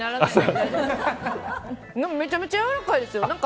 でもめちゃめちゃやわらかいですよ。